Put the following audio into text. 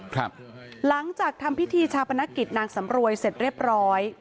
หลังจากทำพิธีชาปนกิจนางสำรวยเสร็จเรียบร้อย